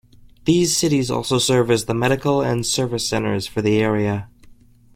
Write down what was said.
These cities also serve as the medical and service centers for the area.